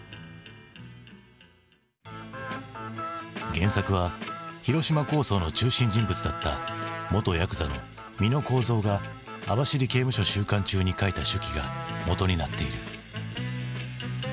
原作は広島抗争の中心人物だった元やくざの美能幸三が網走刑務所収監中に書いた手記がもとになっている。